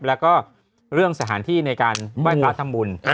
แล้วก็เรื่องสถานที่ในการไหว้พระทำบุญ